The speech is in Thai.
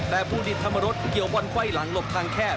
แต่ภูดิตธรรมรสเกี่ยวบอลไขว้หลังหลบทางแคบ